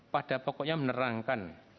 pada pokoknya menerangkan